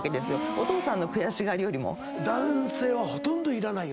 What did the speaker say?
お父さんの悔しがりよりも。